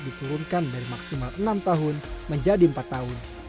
diturunkan dari maksimal enam tahun menjadi empat tahun